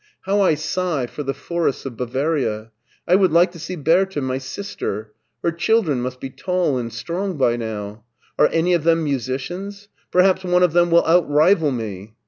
" How I sigh for the forests of Bavaria! I would like to see Bertha, my sister. Her children must be tall and strong now. Are any of them musicians? Perhaps one of them .will outrival me!